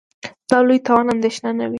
د لوی تاوان اندېښنه نه وي.